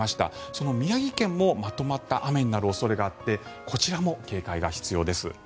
その宮城県もまとまった雨になる恐れがあってこちらも警戒が必要です。